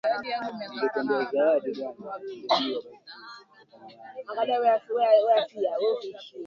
wa haki za binadamu dhidi ya washukiwa wa uhalifu